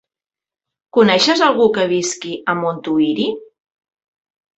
Coneixes algú que visqui a Montuïri?